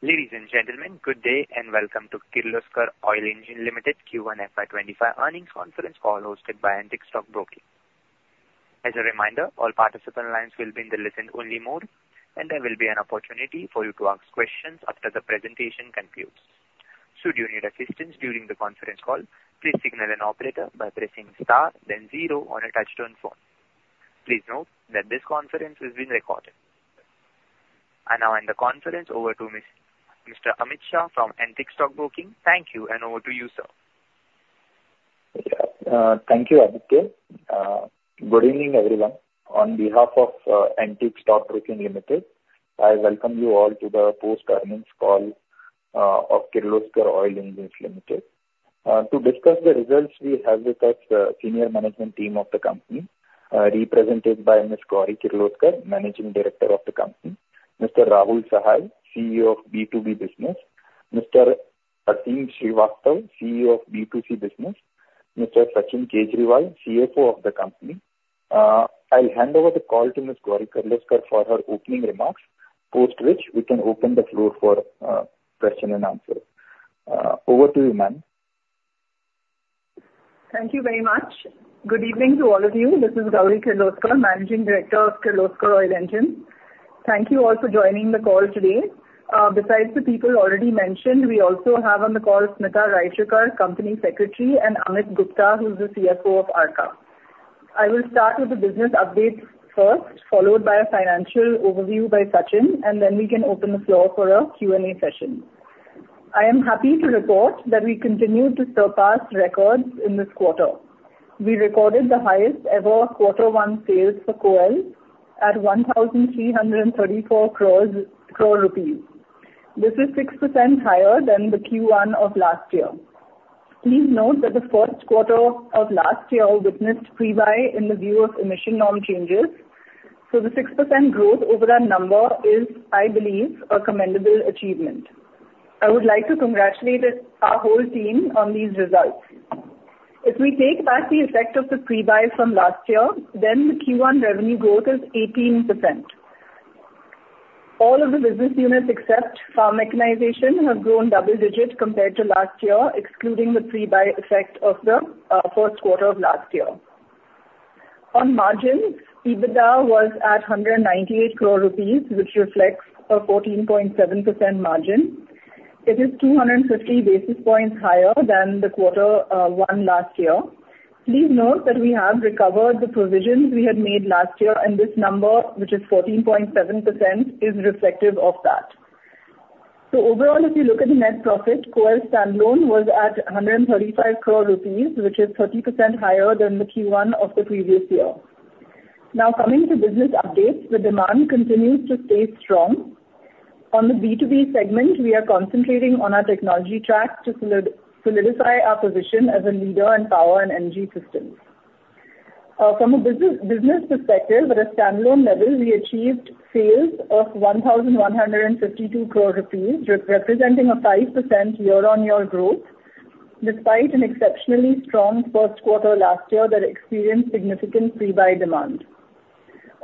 Ladies and gentlemen, good day, and welcome to Kirloskar Oil Engines Limited Q1 FY25 earnings conference call, hosted by Antique Stock Broking. As a reminder, all participant lines will be in the listen-only mode, and there will be an opportunity for you to ask questions after the presentation concludes. Should you need assistance during the conference call, please signal an operator by pressing star then zero on your touchtone phone. Please note that this conference is being recorded. And now I hand the conference over to miss, Mr. Amit Shah from Antique Stock Broking. Thank you, and over to you, sir. Yeah, thank you, Aditya. Good evening, everyone. On behalf of Antique Stock Broking Limited, I welcome you all to the post-earnings call of Kirloskar Oil Engines Limited. To discuss the results, we have with us the senior management team of the company, represented by Ms. Gauri Kirloskar, Managing Director of the company, Mr. Rahul Sahai, CEO of B2B Business, Mr. Prateek Srivastava, CEO of B2C Business, Mr. Sachin Kejriwal, CFO of the company. I'll hand over the call to Ms. Gauri Kirloskar for her opening remarks, post which we can open the floor for question and answer. Over to you, ma'am. Thank you very much. Good evening to all of you. This is Gauri Kirloskar, Managing Director of Kirloskar Oil Engines. Thank you all for joining the call today. Besides the people already mentioned, we also have on the call Smita Raichurkar, Company Secretary, and Amit Gupta, who is the CFO of Arka. I will start with the business update first, followed by a financial overview by Sachin, and then we can open the floor for a Q&A session. I am happy to report that we continued to surpass records in this quarter. We recorded the highest ever Quarter One sales for KOEL at 1,334 crore rupees. This is 6% higher than the Q1 of last year. Please note that the first quarter of last year witnessed pre-buy in the view of emission norm changes, so the 6% growth over that number is, I believe, a commendable achievement. I would like to congratulate the, our whole team on these results. If we take back the effect of the pre-buy from last year, then the Q1 revenue growth is 18%. All of the business units, except farm mechanization, have grown double digits compared to last year, excluding the pre-buy effect of the first quarter of last year. On margins, EBITDA was at 198 crore rupees, which reflects a 14.7% margin. It is 250 basis points higher than the Quarter One last year. Please note that we have recovered the provisions we had made last year, and this number, which is 14.7%, is reflective of that. So overall, if you look at the net profit, KOEL standalone was at 135 crore rupees, which is 30% higher than the Q1 of the previous year. Now, coming to business updates, the demand continues to stay strong. On the B2B segment, we are concentrating on our technology track to solidify our position as a leader in power and energy systems. From a business perspective, at a standalone level, we achieved sales of 1,152 crore rupees, representing a 5% year-on-year growth, despite an exceptionally strong first quarter last year that experienced significant pre-buy demand.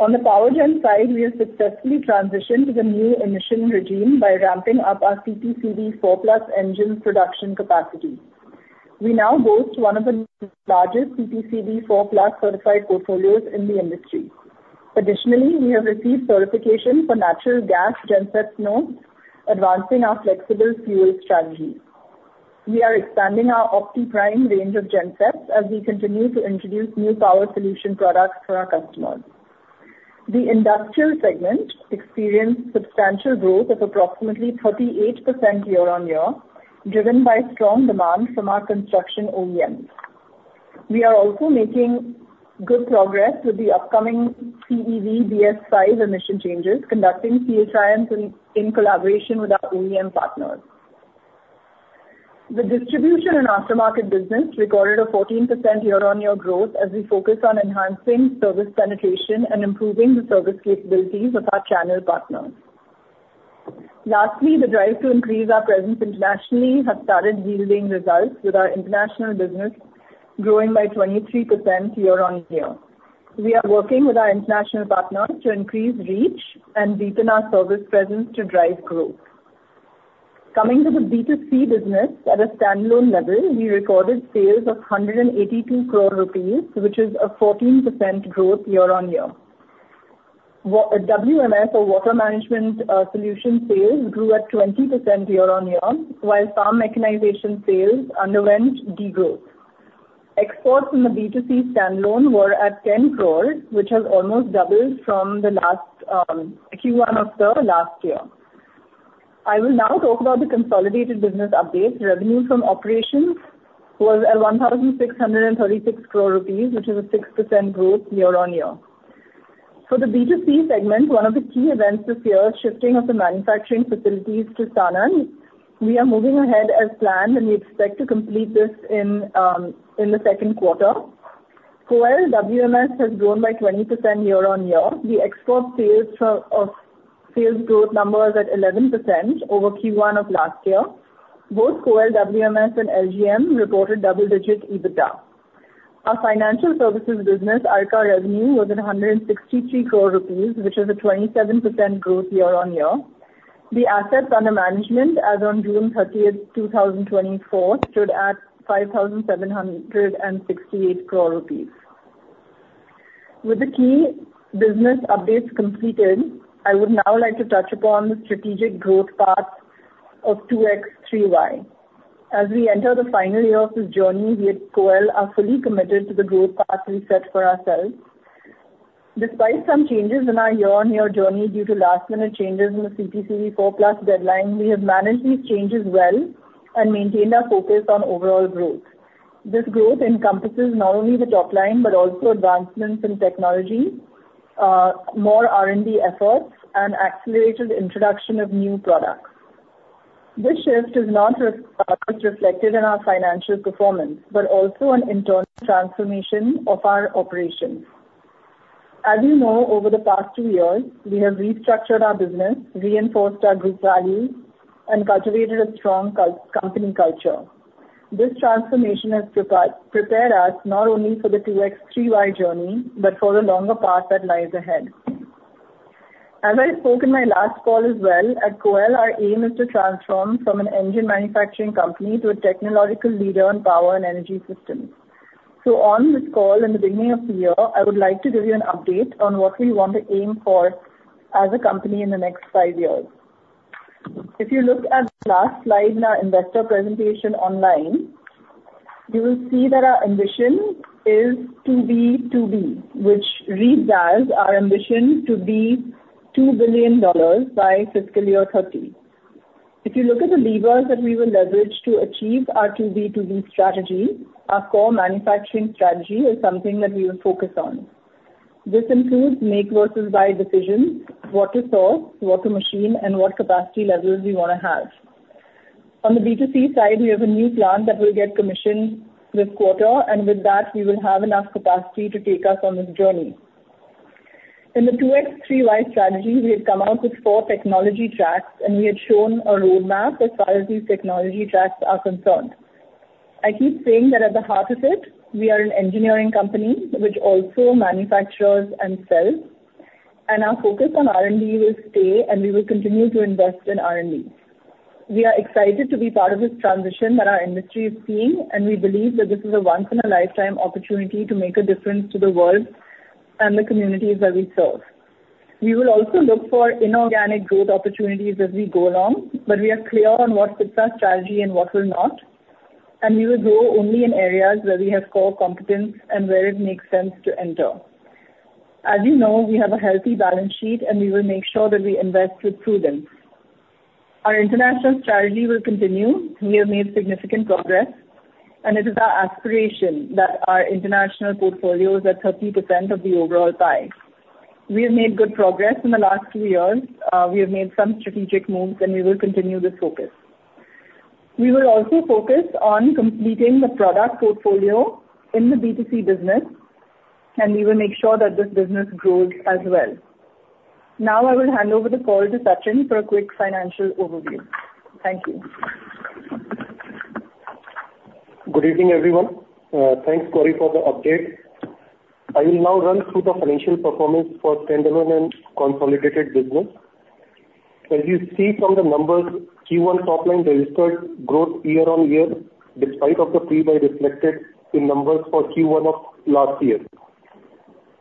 On the power gen side, we have successfully transitioned to the new emission regime by ramping up our CPCB IV+ engine production capacity. We now boast one of the largest CPCB IV+ certified portfolios in the industry. Additionally, we have received certification for natural gas gensets now, advancing our flexible fuel strategy. We are expanding our OptiPrime range of gensets as we continue to introduce new power solution products for our customers. The industrial segment experienced substantial growth of approximately 38% year-on-year, driven by strong demand from our construction OEMs. We are also making good progress with the upcoming CEV BS-VI emission changes, conducting field trials in collaboration with our OEM partners. The distribution and aftermarket business recorded a 14% year-on-year growth as we focus on enhancing service penetration and improving the service capabilities of our channel partners. Lastly, the drive to increase our presence internationally has started yielding results, with our international business growing by 23% year-on-year. We are working with our international partners to increase reach and deepen our service presence to drive growth. Coming to the B2C business, at a standalone level, we recorded sales of 182 crore rupees, which is a 14% growth year-on-year. WMS or Water Management Solutions sales grew at 20% year-on-year, while farm mechanization sales underwent degrowth. Exports in the B2C standalone were at 10 crore, which has almost doubled from the last Q1 of the last year. I will now talk about the consolidated business update. Revenue from operations was at 1,636 crore rupees, which is a 6% growth year-on-year. For the B2C segment, one of the key events this year is shifting of the manufacturing facilities to Sanand. We are moving ahead as planned, and we expect to complete this in the second quarter. KOEL WMS has grown by 20% year-on-year. The export sales for, of sales growth number is at 11% over Q1 of last year. Both KOEL WMS and LGM reported double-digit EBITDA. Our financial services business, Arka revenue was at 163 crore rupees, which is a 27% growth year-on-year. The assets under management as on June 30, 2024, stood at 5,768 crore rupees. With the key business updates completed, I would now like to touch upon the strategic growth path of 2X3Y. As we enter the final year of this journey, we at Koel are fully committed to the growth path we set for ourselves. Despite some changes in our year-on-year journey due to last minute changes in the CPCB IV+ deadline, we have managed these changes well and maintained our focus on overall growth. This growth encompasses not only the top line, but also advancements in technology, more R&D efforts, and accelerated introduction of new products. This shift is not just reflected in our financial performance, but also an internal transformation of our operations. As you know, over the past two years, we have restructured our business, reinforced our group values, and cultivated a strong company culture. This transformation has prepared us not only for the 2X3Y journey, but for the longer path that lies ahead. As I spoke in my last call as well, at Koel, our aim is to transform from an engine manufacturing company to a technological leader in power and energy systems. So on this call, in the beginning of the year, I would like to give you an update on what we want to aim for as a company in the next five years. If you look at the last slide in our investor presentation online, you will see that our ambition is to be 2B, which reads as our ambition to be $2 billion by fiscal year 2030. If you look at the levers that we will leverage to achieve our 2B2B strategy, our core manufacturing strategy is something that we will focus on. This includes make versus buy decisions, what to source, what to machine, and what capacity levels we want to have. On the B2C side, we have a new plant that will get commissioned this quarter, and with that, we will have enough capacity to take us on this journey. In the 2X3Y strategy, we have come out with four technology tracks, and we had shown a roadmap as far as these technology tracks are concerned. I keep saying that at the heart of it, we are an engineering company which also manufactures and sells, and our focus on R&D will stay, and we will continue to invest in R&D. We are excited to be part of this transition that our industry is seeing, and we believe that this is a once in a lifetime opportunity to make a difference to the world and the communities that we serve. We will also look for inorganic growth opportunities as we go along, but we are clear on what fits our strategy and what will not, and we will grow only in areas where we have core competence and where it makes sense to enter. As you know, we have a healthy balance sheet, and we will make sure that we invest with prudence. Our international strategy will continue. We have made significant progress, and it is our aspiration that our international portfolio is at 30% of the overall pie. We have made good progress in the last two years. We have made some strategic moves, and we will continue this focus. We will also focus on completing the product portfolio in the B2C business, and we will make sure that this business grows as well. Now, I will hand over the call to Sachin for a quick financial overview. Thank you. Good evening, everyone. Thanks, Gauri, for the update. I will now run through the financial performance for standalone and consolidated business. As you see from the numbers, Q1 top line registered growth year-on-year, despite of the pre-buy reflected in numbers for Q1 of last year.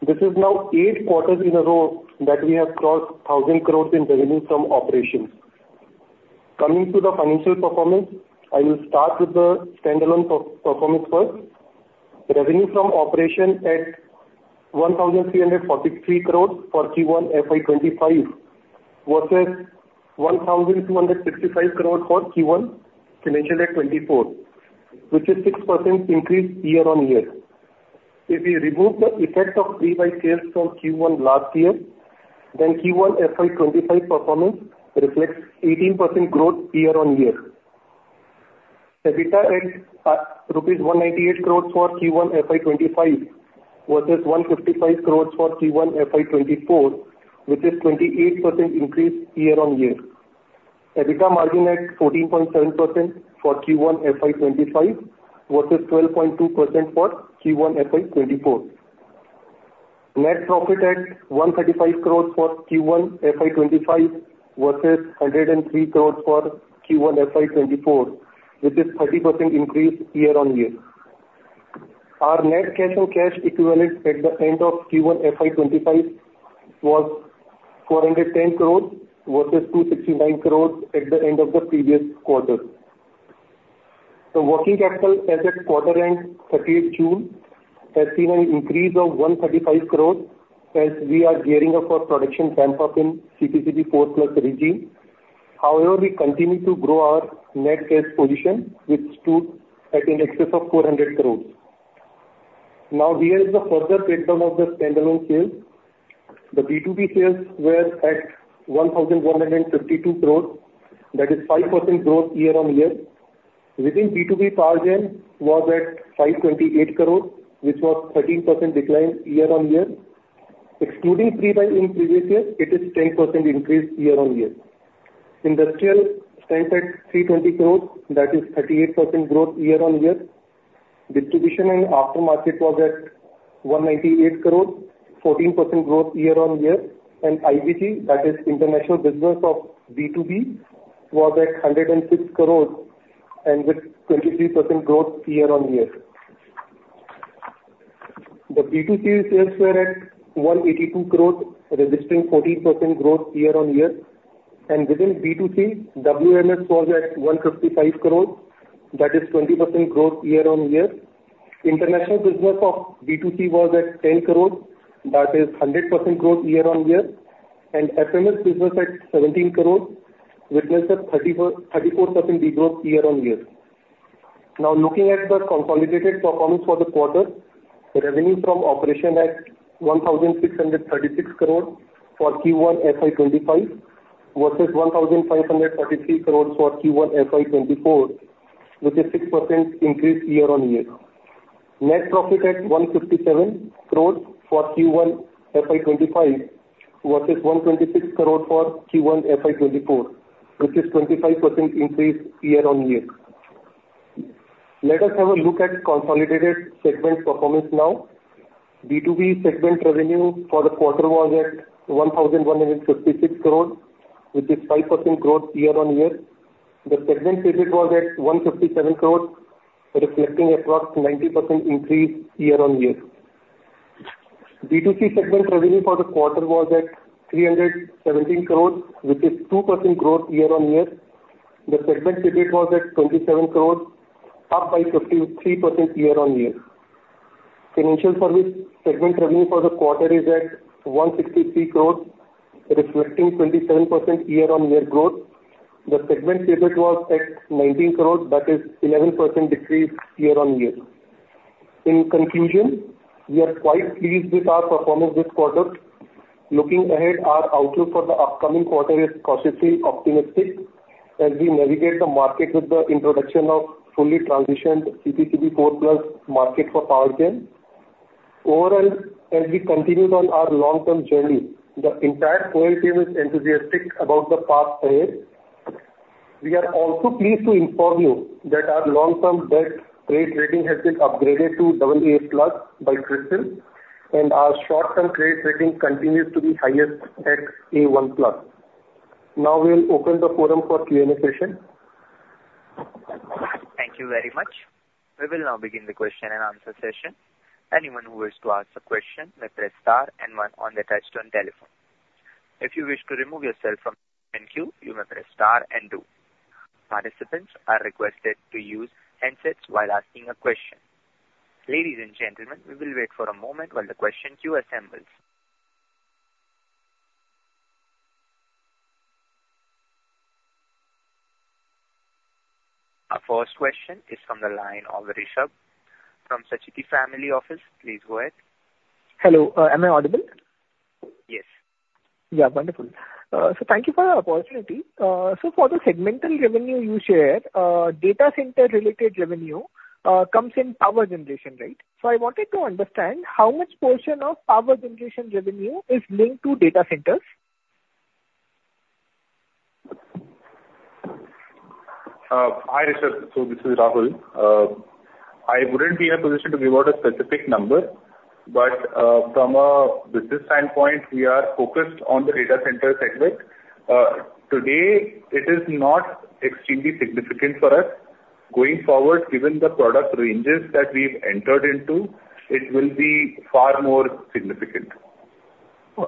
This is now eight quarters in a row that we have crossed 1,000 crore in revenue from operations. Coming to the financial performance, I will start with the standalone performance first. Revenue from operation at 1,343 crore for Q1 FY 2025, versus 1,265 crore for Q1 financial year 2024, which is 6% increase year-on-year. If we remove the effect of pre-buy sales from Q1 last year, then Q1 FY 2025 performance reflects 18% growth year-on-year. EBITDA at rupees 198 crores for Q1 FY 2025, versus 155 crores for Q1 FY 2024, which is 28% increase year-on-year. EBITDA margin at 14.7% for Q1 FY 2025, vs. 12.2% for Q1 FY 2024. Net profit at 135 crores for Q1 FY 2025, vs. 103 crores for Q1 FY 2024, which is 30% increase year-on-year. Our net cash and cash equivalents at the end of Q1 FY 2025 was 410 crores, versus 269 crores at the end of the previous quarter. The working capital as at quarter end, 30th June, has seen an increase of 135 crores as we are gearing up for production ramp-up in CPCB IV+ regime. However, we continue to grow our net cash position, which stood at in excess of 400 crore. Now, here is the further breakdown of the standalone sales. The B2B sales were at 1,152 crore, that is 5% growth year-on-year. Within B2B, power gen was at 528 crore, which was 13% decline year-on-year, excluding pre-buy in previous years, it is 10% increase year-on-year. Industrial stood at 320 crore, that is 38% growth year-on-year. Distribution and aftermarket was at 198 crore, 14% growth year-on-year, and IBT, that is international business of B2B, was at 106 crore and with 23% growth year-on-year. The B2C sales were at 182 crore, registering 14% growth year-on-year, and within B2C, WMS was at 155 crore, that is 20% growth year-on-year. International business of B2C was at 10 crore, that is 100% growth year-over-year, and FMS business at 17 crore, witnessed a 34% de-growth year-over-year. Now, looking at the consolidated performance for the quarter, the revenue from operations at 1,636 crore for Q1 FY 2025, versus 1,533 crore for Q1 FY 2024, which is 6% increase year-over-year. Net profit at 157 crore for Q1 FY 2025, versus 126 crore for Q1 FY 2024, which is 25% increase year-over-year. Let us have a look at consolidated segment performance now. B2B segment revenue for the quarter was at 1,156 crore, which is 5% growth year-over-year. The segment profit was at INR 157 crore, reflecting across 90% increase year-over-year. B2C segment revenue for the quarter was at 317 crores, which is 2% growth year-on-year. The segment profit was at 27 crores, up by 53% year-on-year. Financial service segment revenue for the quarter is at 163 crores, reflecting 27% year-on-year growth. The segment profit was at 19 crores, that is 11% decrease year-on-year. In conclusion, we are quite pleased with our performance this quarter. Looking ahead, our outlook for the upcoming quarter is cautiously optimistic as we navigate the market with the introduction of fully transitioned CPCB IV+ market for power gen. Overall, as we continue on our long-term journey, the entire KOEL team is enthusiastic about the path ahead. We are also pleased to inform you that our long-term debt rate rating has been upgraded to AA+ by CRISIL, and our short-term trade rating continues to be highest at A1+. Now, we'll open the forum for Q&A session. Thank you very much. We will now begin the question and answer session. Anyone who wishes to ask a question, may press star and one on the touchtone telephone. If you wish to remove yourself from the queue, you may press star and two. Participants are requested to use handsets while asking a question. Ladies and gentlemen, we will wait for a moment while the question queue assembles. Our first question is from the line of Rishab from Sacheti Family Office. Please go ahead. Hello. Am I audible? Yes. Yeah, wonderful. So thank you for the opportunity. So for the segmental revenue you share, data center related revenue, comes in power generation, right? So I wanted to understand how much portion of power generation revenue is linked to data centers. Hi, Rishab. So this is Rahul. I wouldn't be in a position to give out a specific number, but, from a business standpoint, we are focused on the data center segment. Today, it is not extremely significant for us. Going forward, given the product ranges that we've entered into, it will be far more significant.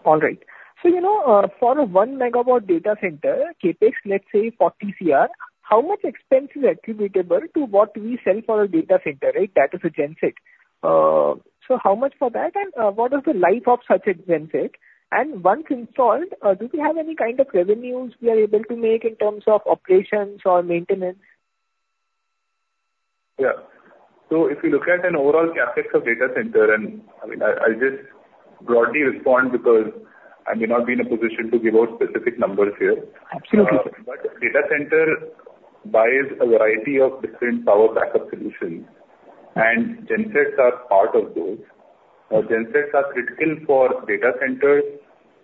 All right. So, you know, for a 1-megawatt data center, CapEx, let's say, 40 crore, how much expense is attributable to what we sell for a data center, right? That is a genset. So how much for that, and, what is the life of such a genset? And once installed, do we have any kind of revenues we are able to make in terms of operations or maintenance? Yeah. So if you look at an overall CapEx of data center, and I'll just broadly respond, because I may not be in a position to give out specific numbers here. Absolutely. Data center buys a variety of different power backup solutions, and gensets are part of those. Gensets are critical for data centers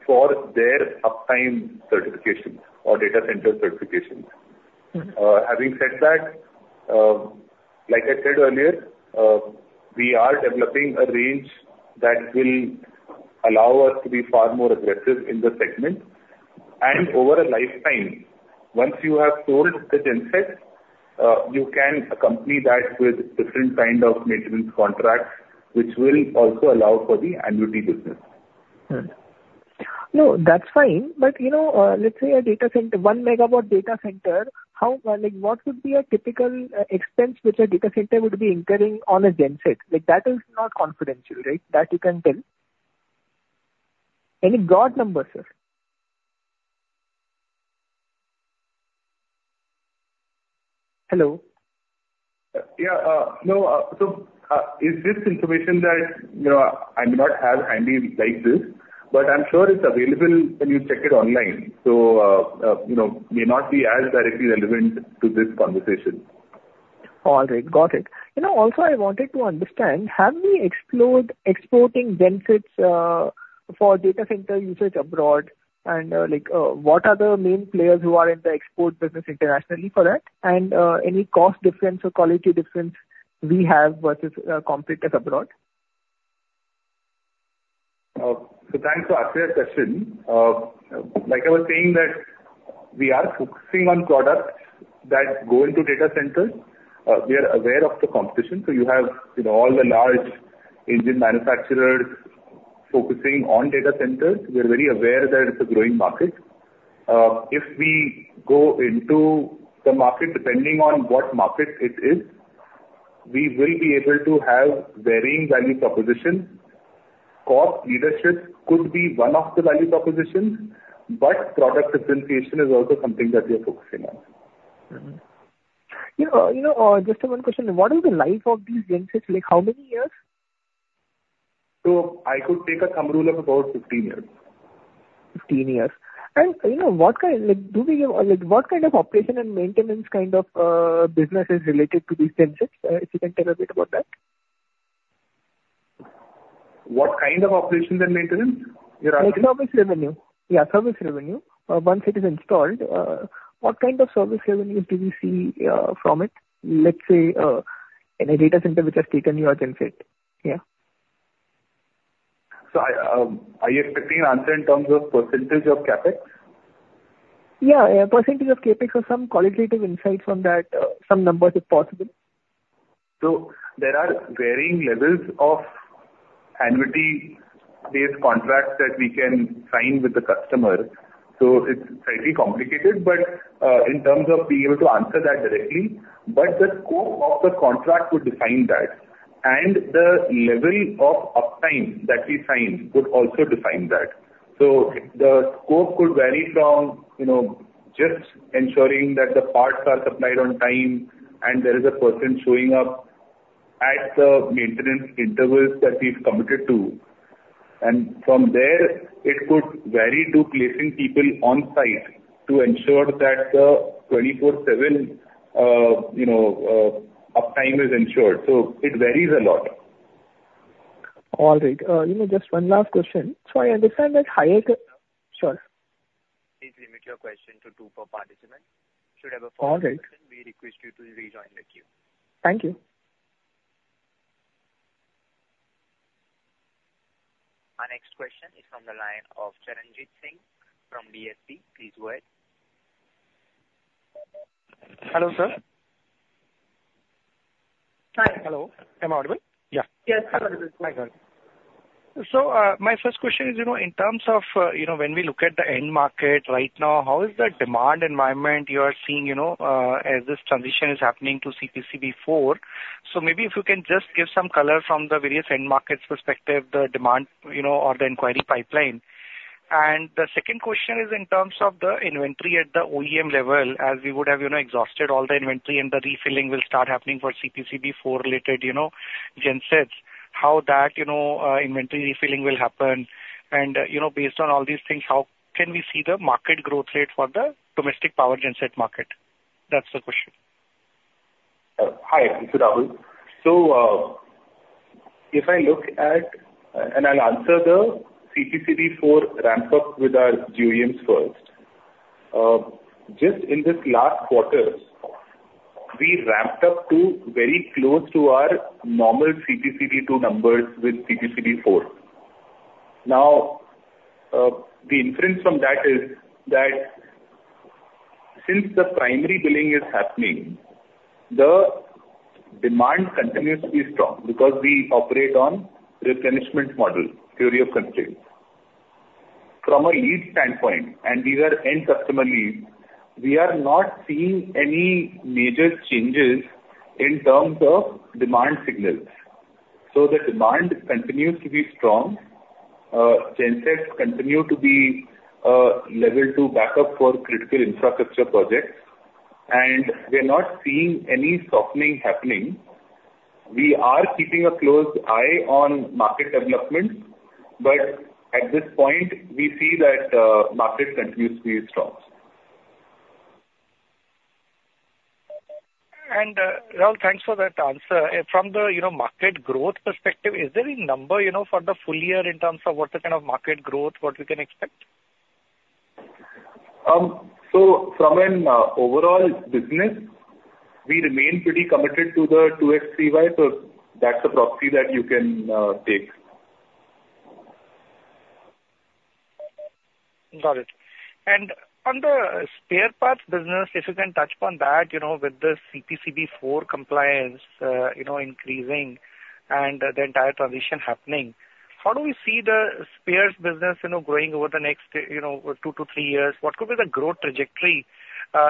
for their uptime certification or data center certifications. Mm-hmm. Having said that, like I said earlier, we are developing a range that will allow us to be far more aggressive in the segment. And over a lifetime, once you have sold the genset, you can accompany that with different kind of maintenance contracts, which will also allow for the annuity business. Mm. No, that's fine. But, you know, let's say a data center, 1-megawatt data center, how... Like, what would be a typical expense which a data center would be incurring on a genset? Like, that is not confidential, right? That you can tell. Any broad number, sir? Hello? Yeah, no, so it's just information that, you know, I may not have handy like this, but I'm sure it's available when you check it online, so, you know, may not be as directly relevant to this conversation. All right, got it. You know, also, I wanted to understand, have we explored exporting gensets for data center usage abroad? And, like, what are the main players who are in the export business internationally for that? And, any cost difference or quality difference we have versus competitors abroad. So thanks for asking that question. Like I was saying, that we are focusing on products that go into data centers. We are aware of the competition, so you have, you know, all the large engine manufacturers focusing on data centers. We are very aware that it's a growing market. If we go into the market, depending on what market it is, we will be able to have varying value propositions. Cost leadership could be one of the value propositions, but product differentiation is also something that we are focusing on. Mm-hmm. You know, you know, just one question. What is the life of these gensets? Like, how many years? I could take a thumb rule of about 15 years. 15 years. And, you know, what kind, like, do we have, like, what kind of operation and maintenance kind of businesses related to these gensets? If you can tell a bit about that. What kind of operations and maintenance you're asking? Like, service revenue. Yeah, service revenue. Once it is installed, what kind of service revenue do we see, from it, let's say, in a data center which has taken your genset? Yeah. So, are you expecting answer in terms of percentage of CapEx? Yeah, yeah, percentage of CapEx or some qualitative insight from that, some numbers, if possible. So there are varying levels of annuity-based contracts that we can sign with the customer, so it's slightly complicated, but in terms of being able to answer that directly. But the scope of the contract would define that, and the level of uptime that we sign could also define that. So the scope could vary from, you know, just ensuring that the parts are supplied on time and there is a person showing up at the maintenance intervals that we've committed to. And from there it could vary to placing people on site to ensure that the 24/7, you know, uptime is ensured. So it varies a lot. All right. You know, just one last question. I understand that higher- Please limit your question to two per participant. All right. Should have a follow-up question, we request you to rejoin the queue. Thank you. Our next question is from the line of Charanjit Singh from B&K Securities. Please go ahead. Hello, sir. Hi. Hello, am I audible? Yeah. Yes, hello. Hi, good. So, my first question is, you know, in terms of, you know, when we look at the end market right now, how is the demand environment you are seeing, you know, as this transition is happening to CPCB IV? So maybe if you can just give some color from the various end markets perspective, the demand, you know, or the inquiry pipeline. And the second question is in terms of the inventory at the OEM level, as we would have, you know, exhausted all the inventory and the refilling will start happening for CPCB IV-related, you know, gensets. How that, you know, inventory refilling will happen, and, you know, based on all these things, how can we see the market growth rate for the domestic power genset market? That's the question. Hi, it's Rahul. So, if I look at, I'll answer the CPCB IV ramp-up with our GM first. Just in this last quarter, we ramped up to very close to our normal CPCB II numbers with CPCB IV. Now, the inference from that is that since the primary billing is happening, the demand continues to be strong because we operate on replenishment model, theory of constraints. From a lead standpoint, and these are end customer leads, we are not seeing any major changes in terms of demand signals. So the demand continues to be strong. Gensets continue to be level to backup for critical infrastructure projects, and we are not seeing any softening happening. We are keeping a close eye on market development, but at this point we see that market continues to be strong. Rahul, thanks for that answer. From the, you know, market growth perspective, is there any number, you know, for the full year in terms of what the kind of market growth, what we can expect? From an overall business, we remain pretty committed to the 2X3Y, so that's a proxy that you can take. Got it. On the spare parts business, if you can touch upon that, you know, with the CPCB IV compliance increasing and the entire transition happening, how do we see the spares business, you know, growing over the next two to three years? What could be the growth trajectory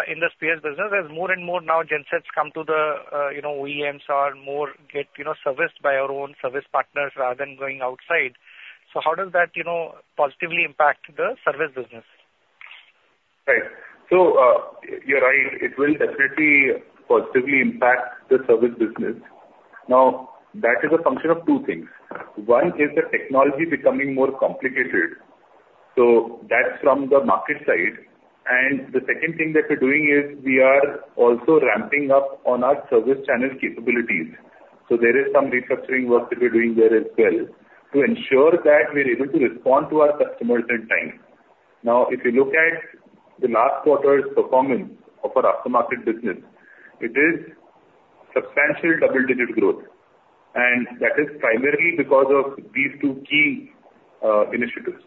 in the spares business as more and more now gensets come to the OEMs or more get serviced by our own service partners rather than going outside? So how does that positively impact the service business? Right. So, you're right, it will definitely positively impact the service business. Now, that is a function of two things. One is the technology becoming more complicated... So that's from the market side. And the second thing that we're doing is we are also ramping up on our service channel capabilities. So there is some restructuring work that we're doing there as well, to ensure that we're able to respond to our customers in time. Now, if you look at the last quarter's performance of our aftermarket business, it is substantial double-digit growth, and that is primarily because of these two key initiatives.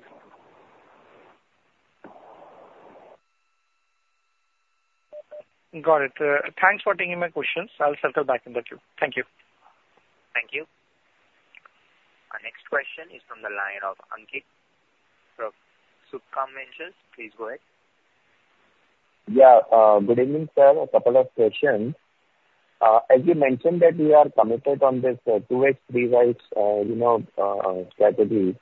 Got it. Thanks for taking my questions. I'll circle back in the queue. Thank you. Thank you. Our next question is from the line of Ankit from Shubham Ventures. Please go ahead. Yeah, good evening, sir. A couple of questions. As you mentioned that we are committed on this, 2X3Y, you know, strategy,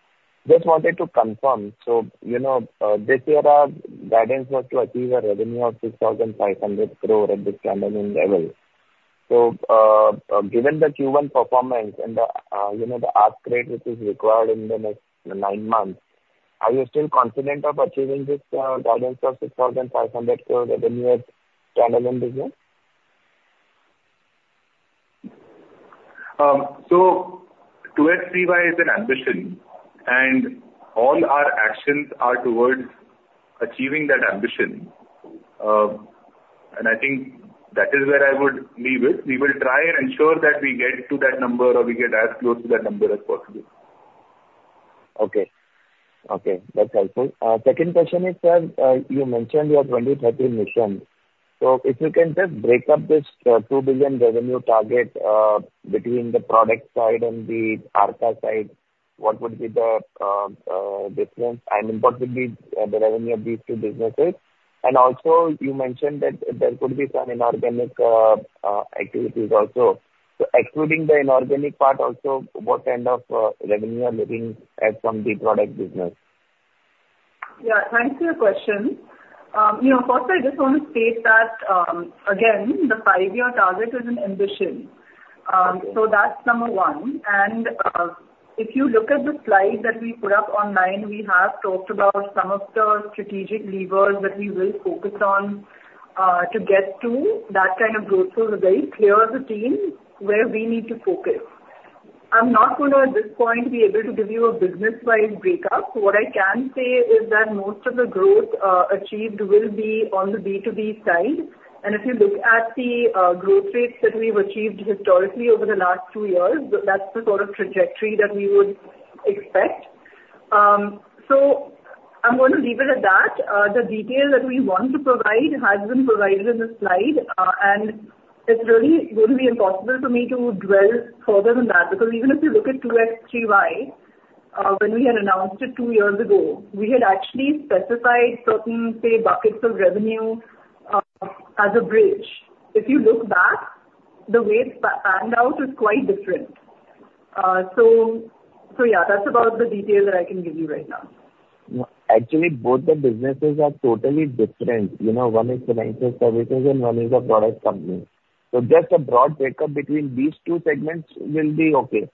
just wanted to confirm. So, you know, this year, our guidance was to achieve a revenue of 6,500 crore at this channel level. So, given the Q1 performance and, you know, the uprate which is required in the next nine months, are you still confident of achieving this, guidance of 6,500 crore revenue at channel business? 2X3Y is an ambition, and all our actions are towards achieving that ambition. I think that is where I would leave it. We will try and ensure that we get to that number or we get as close to that number as possible. Okay. Okay, that's helpful. Second question is, sir, you mentioned your 2030 mission. So if you can just break up this 2 billion revenue target between the product side and the Arka side, what would be the difference and what would be the revenue of these two businesses? And also, you mentioned that there could be some inorganic activities also. So excluding the inorganic part also, what kind of revenue are looking at from the product business? Yeah, thanks for your question. You know, first, I just want to state that, again, the five-year target is an ambition. Okay. So that's number one. And if you look at the slide that we put up online, we have talked about some of the strategic levers that we will focus on to get to that kind of growth. So we're very clear as a team where we need to focus. I'm not going to, at this point, be able to give you a business-wide breakup. What I can say is that most of the growth achieved will be on the B2B side. And if you look at the growth rates that we've achieved historically over the last two years, that's the sort of trajectory that we would expect. So I'm going to leave it at that. The detail that we want to provide has been provided in the slide, and it's really going to be impossible for me to dwell further than that. Because even if you look at 2X3Y, when we had announced it 2 years ago, we had actually specified certain, say, buckets of revenue, as a bridge. If you look back, the way it's panned out is quite different. So, yeah, that's about the detail that I can give you right now. Actually, both the businesses are totally different. You know, one is financial services and one is a product company. Just a broad breakup between these two segments will be okay.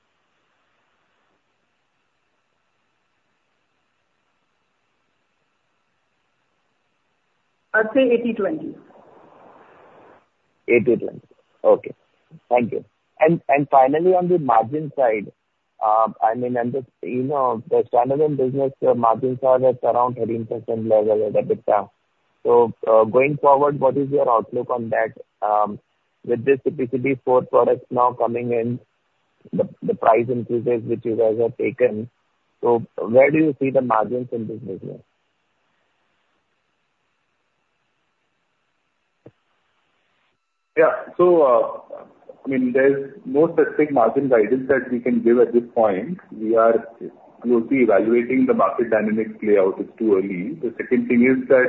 I'd say 80/20. 8/20. Okay. Thank you. And finally, on the margin side, I mean, under, you know, the channel and business margin side is around 13% level at EBITDA. So, going forward, what is your outlook on that, with this CPCB IV products now coming in, the price increases which you guys have taken, so where do you see the margins in this business? Yeah. So, I mean, there's no specific margin guidance that we can give at this point. We are closely evaluating the market dynamics play out. It's too early. The second thing is that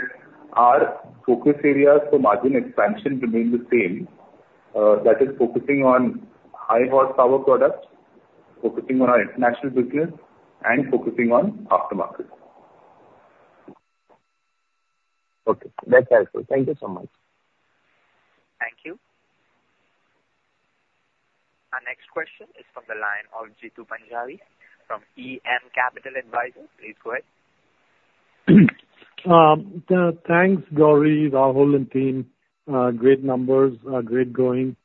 our focus areas for margin expansion remain the same, that is focusing on high horsepower products, focusing on our international business, and focusing on aftermarket. Okay, that's helpful. Thank you so much. Thank you. Our next question is from the line of Jeetu Panjabi from EM Capital Advisor. Please go ahead. Thanks, Gauri, Rahul, and team. Great numbers, great going.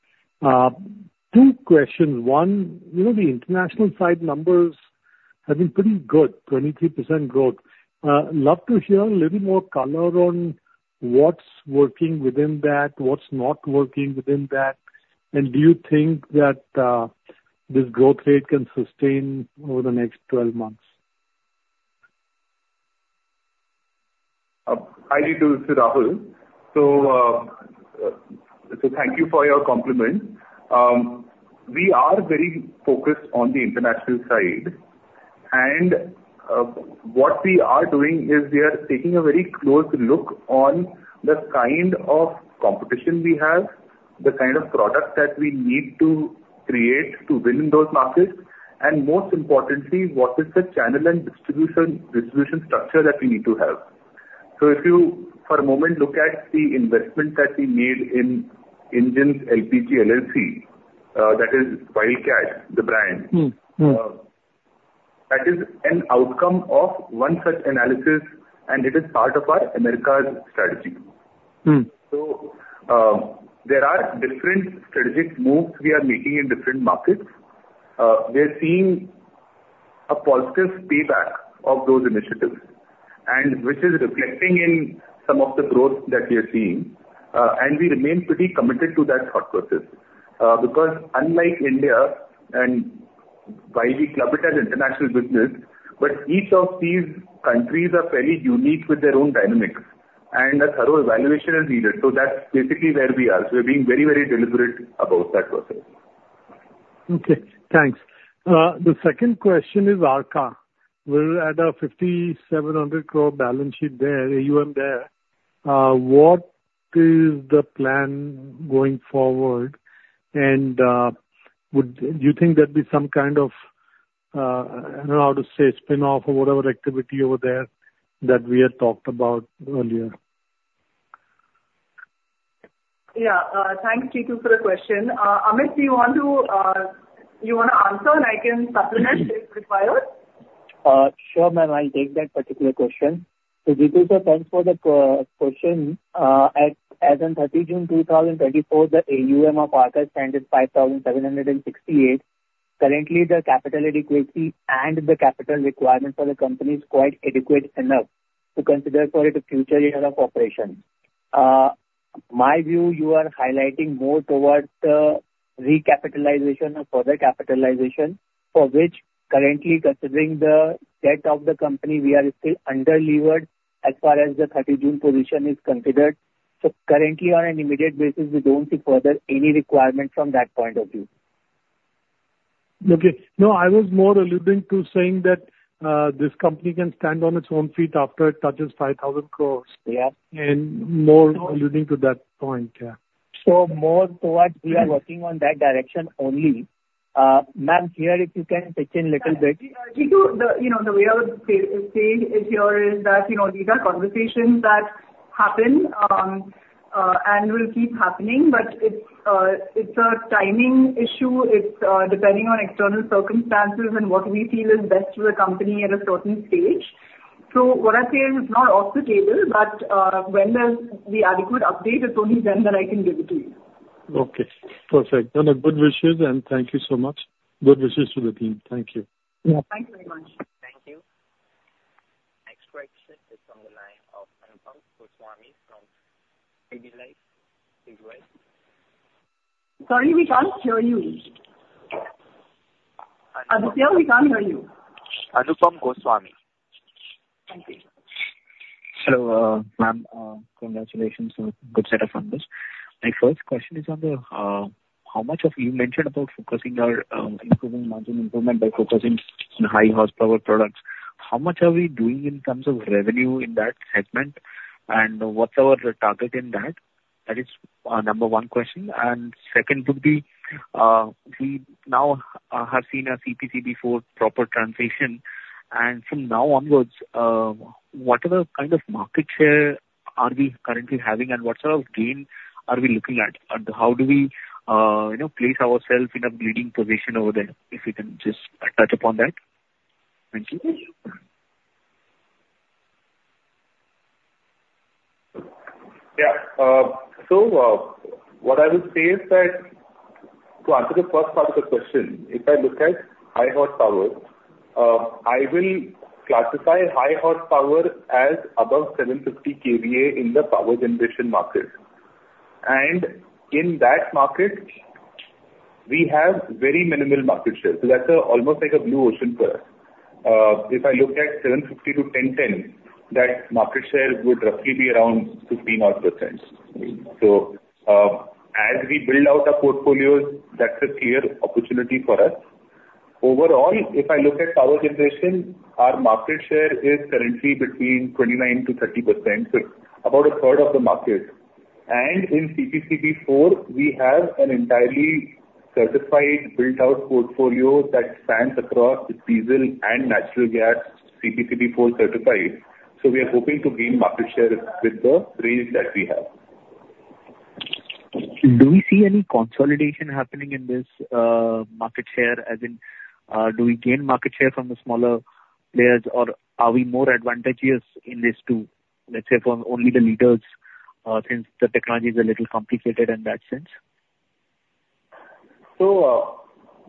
Two questions. One, you know, the international side numbers have been pretty good, 23% growth. Love to hear a little more color on what's working within that, what's not working within that, and do you think that this growth rate can sustain over the next 12 months? I need to, Rahul. So, thank you for your compliment. We are very focused on the international side, and, what we are doing is we are taking a very close look on the kind of competition we have, the kind of products that we need to create to win in those markets, and most importantly, what is the channel and distribution, distribution structure that we need to have.... So if you, for a moment, look at the investment that we made in Engines LPG LLC, that is Wildcat, the brand. Mm-hmm. Mm. That is an outcome of one such analysis, and it is part of our Americas strategy. Mm. So, there are different strategic moves we are making in different markets. We are seeing a positive payback of those initiatives, and which is reflecting in some of the growth that we are seeing. And we remain pretty committed to that thought process, because unlike India, and while we club it as international business, but each of these countries are very unique with their own dynamics, and a thorough evaluation is needed. So that's basically where we are. So we're being very, very deliberate about that process. Okay, thanks. The second question is Arka. We're at a 5,700 crore balance sheet there, AUM there. What is the plan going forward, and, would, do you think there'd be some kind of, I don't know how to say, spin-off or whatever activity over there that we had talked about earlier? Yeah. Thanks, Jeetu, for the question. Amit, do you want to, you wanna answer, and I can supplement if required? Sure, ma'am, I'll take that particular question. So Jeetu, sir, thanks for the question. As on June 30, 2024, the AUM of Arka stands at 5,768 crore. Currently, the capital adequacy and the capital requirement for the company is quite adequate enough to consider for the future year of operation. In my view, you are highlighting more towards the recapitalization or further capitalization, for which currently considering the debt of the company, we are still under-levered as far as the 30 June position is considered. So currently, on an immediate basis, we don't see further any requirement from that point of view. Okay. No, I was more alluding to saying that, this company can stand on its own feet after it touches 5,000 crore. Yeah. More alluding to that point, yeah. So more towards we are working on that direction only. Ma'am, here, if you can pitch in little bit. Yeah. Jeetu, the, you know, the way I would say, say is here is that, you know, these are conversations that happen, and will keep happening, but it's, it's a timing issue. It's, depending on external circumstances and what we feel is best for the company at a certain stage. So what I say is not off the table, but, when there's the adequate update, it's only then that I can give it to you. Okay, perfect. Then good wishes, and thank you so much. Good wishes to the team. Thank you. Yeah. Thank you very much. Thank you. Next question is on the line of Anupam Goswami from Edelweiss. Sorry, we can't hear you. Aditya, we can't hear you. Anupam Goswami. Thank you. Hello, ma'am, congratulations on good set of numbers. My first question is on the, how much of... You mentioned about focusing on, improving margin improvement by focusing on high horsepower products. How much are we doing in terms of revenue in that segment, and what's our target in that? That is, number one question. And second would be, we now, have seen a CPCB IV+ transition, and from now onwards, what other kind of market share are we currently having, and what sort of gain are we looking at? And how do we, you know, place ourselves in a leading position over there? If you can just, touch upon that. Thank you. Yeah. So, what I would say is that, to answer the first part of the question, if I look at high horsepower, I will classify high horsepower as above 750 kVA in the power generation market. And in that market, we have very minimal market share. So that's almost like a blue ocean for us. If I looked at 750 to 1010, that market share would roughly be around 15 odd %. So, as we build out our portfolios, that's a clear opportunity for us. Overall, if I look at power generation, our market share is currently between 29%-30%, so about a third of the market. And in CPCB IV, we have an entirely certified, built-out portfolio that spans across diesel and natural gas, CPCB IV certified. We are hoping to gain market share with the range that we have. Do we see any consolidation happening in this market share, as in, do we gain market share from the smaller players, or are we more advantageous in this to, let's say, from only the leaders, since the technology is a little complicated in that sense?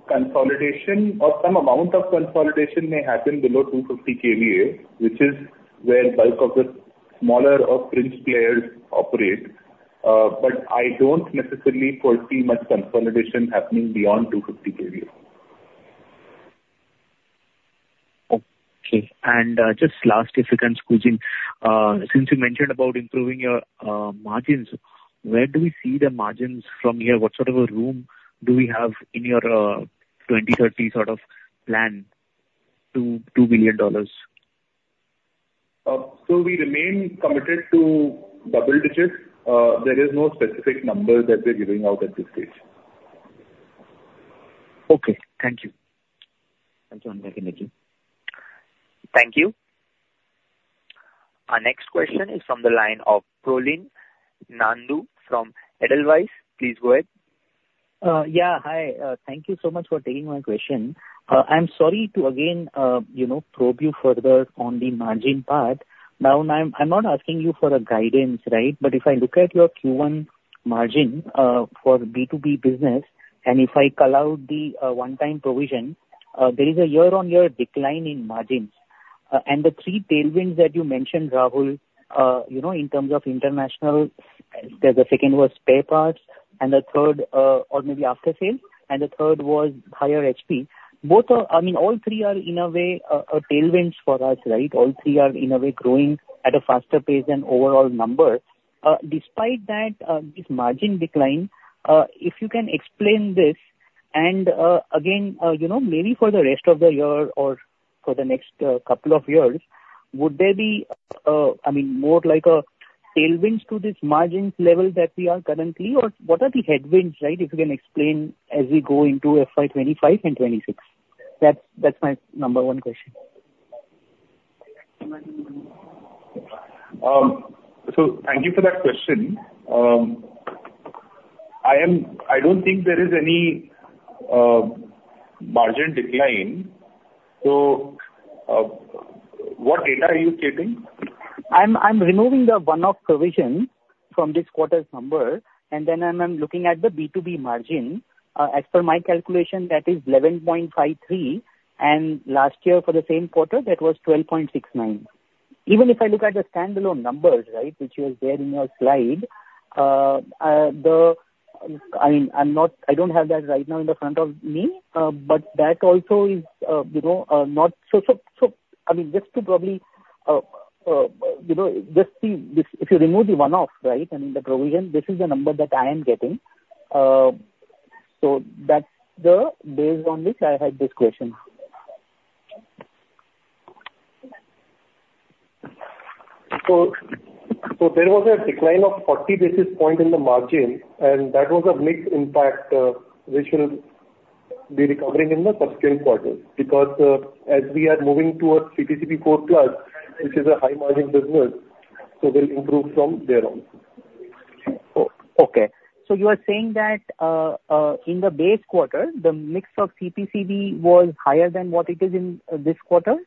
Consolidation or some amount of consolidation may happen below 250 kVA, which is where the bulk of the smaller or fringe players operate. I don't necessarily foresee much consolidation happening beyond 250 kVA. Okay. Just last, if you can squeeze in. Since you mentioned about improving your margins, where do we see the margins from here? What sort of a room do we have in your 2030 sort of plan, $2.2 billion? We remain committed to double digits. There is no specific number that we're giving out at this stage. Okay, thank you. Thank you, thank you, thank you. Thank you. Our next question is from the line of Parin Nandu from Edelweiss. Please go ahead. Yeah, hi. Thank you so much for taking my question. I'm sorry to again, you know, probe you further on the margin part. Now, I'm not asking you for a guidance, right? But if I look at your Q1 margin for B2B business, and if I call out the one-time provision, there is a year-on-year decline in margins. And the three tailwinds that you mentioned, Rahul, you know, in terms of international, the second was spare parts, and the third, or maybe after sale, and the third was higher HP. Both are. I mean, all three are, in a way, a tailwinds for us, right? All three are, in a way, growing at a faster pace than overall number. Despite that, this margin decline, if you can explain this and, again, you know, maybe for the rest of the year or for the next couple of years, would there be, I mean, more like a tailwinds to this margins level that we are currently, or what are the headwinds, right? If you can explain as we go into FY 25 and 26. That's, that's my number one question. So thank you for that question. I don't think there is any margin decline. So, what data are you taking? I'm removing the one-off provision from this quarter's number, and then I'm looking at the B2B margin. As per my calculation, that is 11.53, and last year for the same quarter, that was 12.69. Even if I look at the standalone numbers, right, which was there in your slide, I mean, I don't have that right now in the front of me, but that also is, you know, not so. I mean, just to probably, you know, just see this, if you remove the one-off, right, I mean, the provision, this is the number that I am getting. So that's the base on which I had this question. So, there was a decline of 40 basis points in the margin, and that was a mixed impact, which will be recovering in the subsequent quarters. Because, as we are moving towards CPCB IV+, which is a high margin business, so we'll improve from there on. Okay. So you are saying that in the base quarter, the mix of CPCB was higher than what it is in this quarter?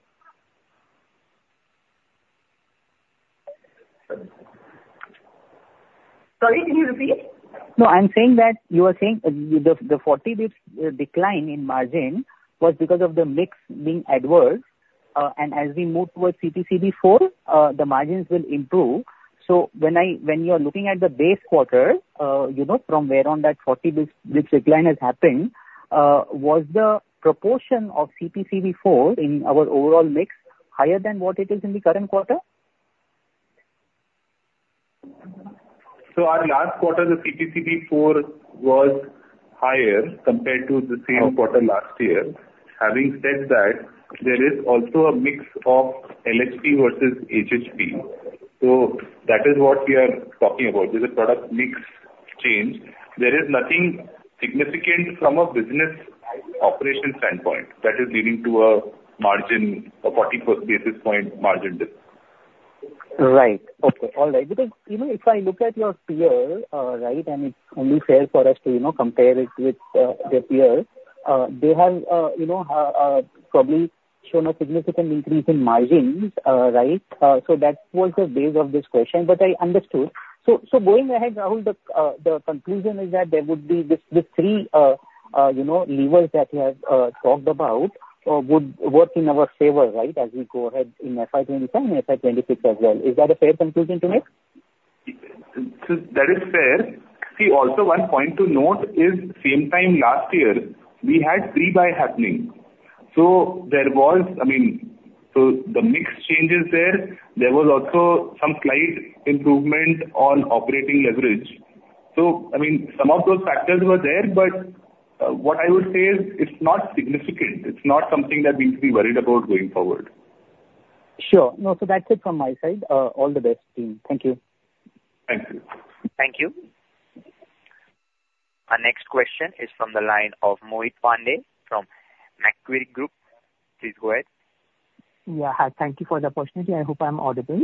Sorry, can you repeat? No, I'm saying that you are saying the 40 basis decline in margin was because of the mix being adverse, and as we move towards CPCB IV, the margins will improve. So when you are looking at the base quarter, you know, from where on that 40 basis, this decline has happened, was the proportion of CPCB IV in our overall mix higher than what it is in the current quarter? So our last quarter, the CPCB IV was higher compared to the same quarter last year. Having said that, there is also a mix of LHP versus HHP. So that is what we are talking about. There's a product mix change. There is nothing significant from a business operation standpoint that is leading to a margin of 44 basis point margin dip. Right. Okay, all right. Because, you know, if I look at your peer, right, and it's only fair for us to, you know, compare it with, their peer. They have, you know, probably shown a significant increase in margins, right? So that was the base of this question, but I understood. So, so going ahead, Rahul, the, the conclusion is that there would be this, the three, you know, levers that we have, talked about, would work in our favor, right? As we go ahead in FY 25 and FY 26 as well. Is that a fair conclusion to make? So that is fair. See, also, one point to note is, same time last year, we had pre-buy happening. So there was, I mean... So the mix change is there. There was also some slight improvement on operating leverage. So, I mean, some of those factors were there, but, what I would say is, it's not significant. It's not something that we need to be worried about going forward. Sure. No, so that's it from my side. All the best, team. Thank you. Thank you. Thank you. Our next question is from the line of Mohit Pandey from Macquarie Group. Please go ahead. Yeah, hi. Thank you for the opportunity. I hope I'm audible.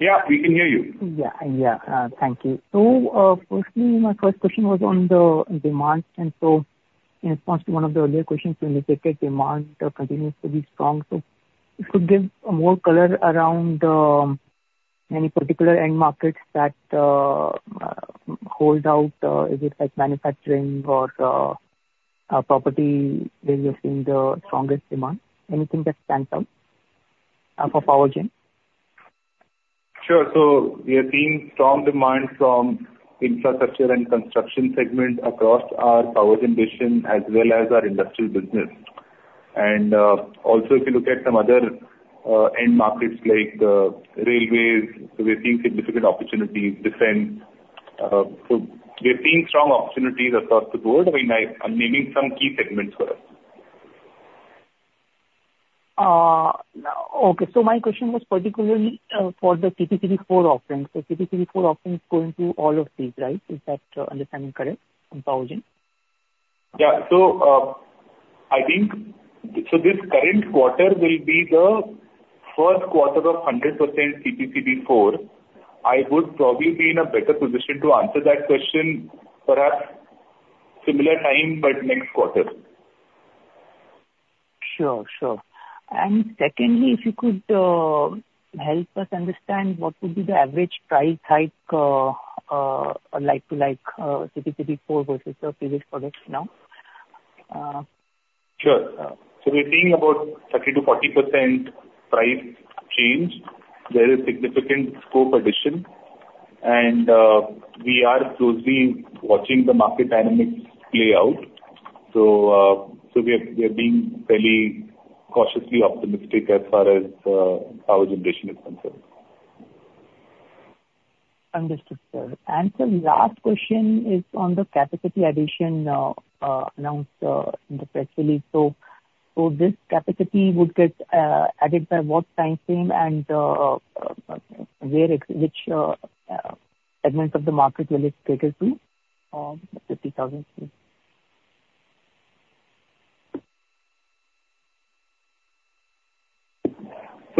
Yeah, we can hear you. Yeah, yeah, thank you. So, firstly, my first question was on the demand, and so in response to one of the earlier questions, you indicated demand continues to be strong. So if you give more color around any particular end markets that hold out, is it like manufacturing or property, where you're seeing the strongest demand? Anything that stands out for power gen? Sure. So we are seeing strong demand from infrastructure and construction segment across our power gen division, as well as our industrial business. And, also, if you look at some other, end markets like the railways, we're seeing significant opportunities. So we're seeing strong opportunities across the board. I mean, I'm naming some key segments for us. ... Okay, so my question was particularly for the CPCB IV offerings. So CPCB IV offerings going through all of these, right? Is that understanding correct on powergen? Yeah. So, I think, so this current quarter will be the first quarter of 100% CPCB IV. I would probably be in a better position to answer that question, perhaps similar time, but next quarter. Sure, sure. And secondly, if you could help us understand what would be the average price hike, like to like, CPCB four versus the previous products now? Sure. So we're seeing about 30%-40% price change. There is significant scope addition, and, we are closely watching the market dynamics play out. So, we are being fairly cautiously optimistic as far as, power generation is concerned. Understood, sir. And the last question is on the capacity addition announced in the press release. So this capacity would get added by what time frame and where, which segment of the market will it cater to, the 50,000?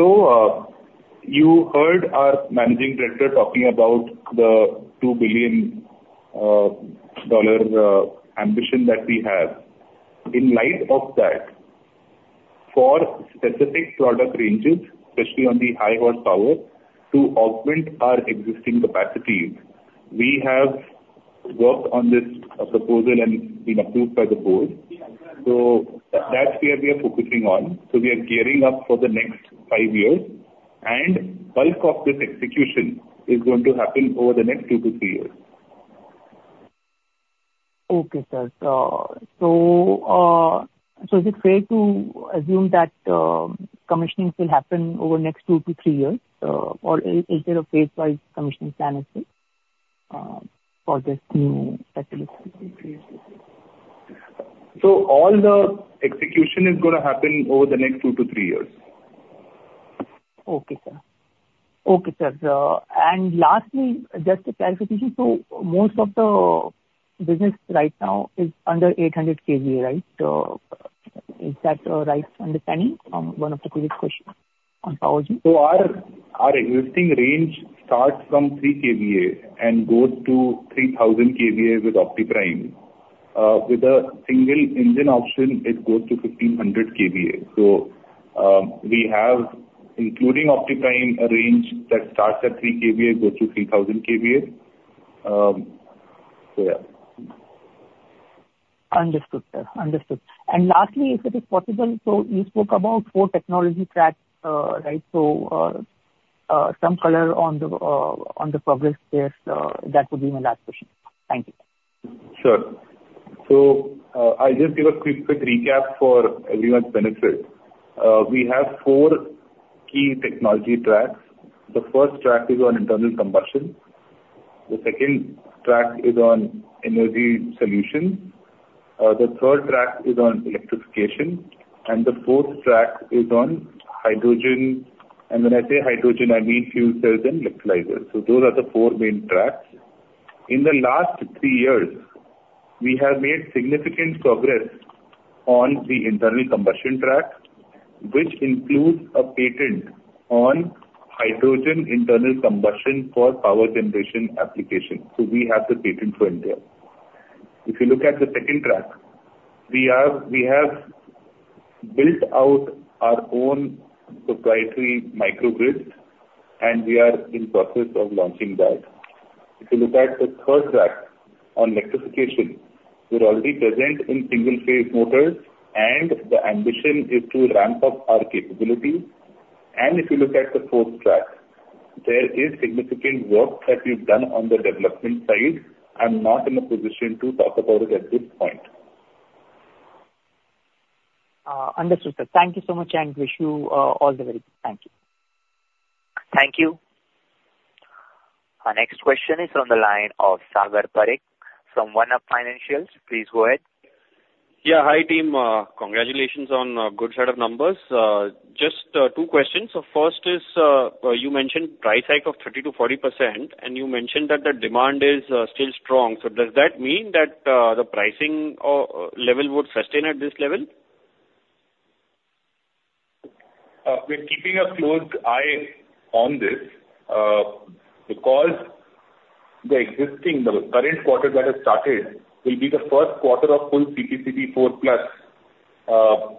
So, you heard our Managing Director talking about the $2 billion ambition that we have. In light of that, for specific product ranges, especially on the high horsepower, to augment our existing capacities, we have worked on this proposal and it's been approved by the board. So that's where we are focusing on. So we are gearing up for the next five years, and bulk of this execution is going to happen over the next 2-3 years. Okay, sir. So is it fair to assume that commissioning will happen over the next 2-3 years? Or is there a phase-wise commissioning plan, actually, for this new? All the execution is gonna happen over the next 2-3 years. Okay, sir. Okay, sir. And lastly, just to clarify, so most of the business right now is under 800 KVA, right? Is that the right understanding from one of the previous questions on powergen? So our, our existing range starts from 3 KVA and goes to 3,000 KVA with OptiPrime. With a single engine option, it goes to 1,500 KVA. So, we have, including OptiPrime, a range that starts at 3 KVA, goes to 3,000 KVA. So yeah. Understood, sir. Understood. And lastly, if it is possible, so you spoke about four technology tracks, right? So, some color on the progress there, that would be my last question. Thank you. Sure. So, I'll just give a quick, quick recap for everyone's benefit. We have four key technology tracks. The first track is on internal combustion. The second track is on energy solution. The third track is on electrification, and the fourth track is on hydrogen. And when I say hydrogen, I mean fuel cells and electrolyzers. So those are the four main tracks. In the last three years, we have made significant progress on the internal combustion track, which includes a patent on hydrogen internal combustion for power generation application. So we have the patent for India. If you look at the second track, we have built out our own proprietary microgrid, and we are in process of launching that. If you look at the third track on electrification, we're already present in single-phase motors, and the ambition is to ramp up our capability. If you look at the fourth track, there is significant work that we've done on the development side. I'm not in a position to talk about it at this point. Understood, sir. Thank you so much, and wish you all the very good. Thank you. Thank you. Our next question is on the line of Sagar Parekh from OneUp Financials. Please go ahead. Yeah, hi, team. Congratulations on good set of numbers. Just two questions. So first is, you mentioned price hike of 30%-40%, and you mentioned that the demand is still strong. So does that mean that the pricing level would sustain at this level? We're keeping a close eye on this, because the existing, the current quarter that has started, will be the first quarter of full CPCB IV+.